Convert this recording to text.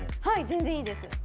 はい全然いいです。